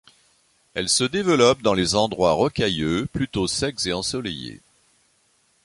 Elle se développe dans les endroits rocailleux, plutôt secs et ensoleillés.